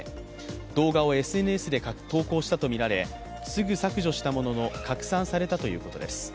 動画をＳＮＳで投稿したとみられ、すぐ削除したものの拡散されたということです。